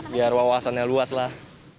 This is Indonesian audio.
biar wawasannya luas lah